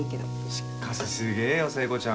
しっかしすげぇよ聖子ちゃん